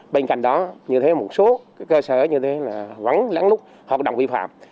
bên cạnh đó như thế một số cơ sở như thế là vắng lắng lút hoạt động vi phạm